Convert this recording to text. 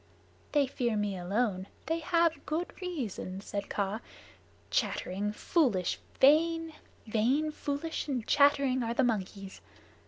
"They fear me alone. They have good reason," said Kaa. "Chattering, foolish, vain vain, foolish, and chattering, are the monkeys.